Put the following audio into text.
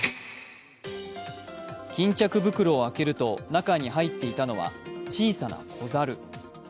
巾着袋を開けると中に入っていたのは小さな子猿。